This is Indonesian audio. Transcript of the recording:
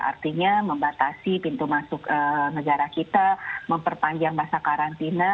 artinya membatasi pintu masuk negara kita memperpanjang masa karantina